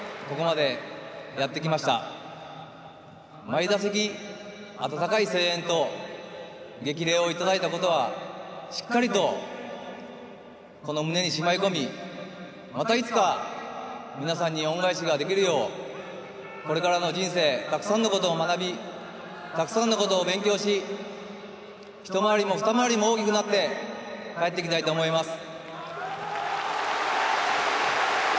毎打席温かい声援と激励を頂いたことはしっかりとこの胸にしまい込みまたいつか皆さんに恩返しができるようこれからの人生たくさんのことを学びたくさんのことを勉強し一回りも二回りも大きくなって帰ってきたいと思います。